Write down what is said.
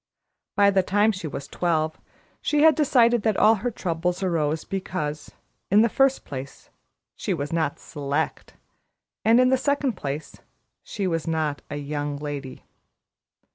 By the time she was twelve, she had decided that all her trouble arose because, in the first place, she was not "Select," and in the second she was not a "Young Lady."